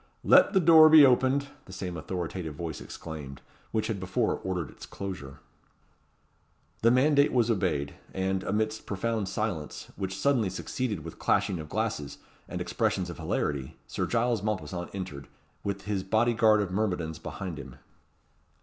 "Let the door be opened," the same authoritative voice exclaimed, which had before ordered its closure. The mandate was obeyed; and, amidst profound silence, which suddenly succeeded the clashing of glasses, and expressions of hilarity, Sir Giles Mompesson entered, with his body guard of myrmidons behind him.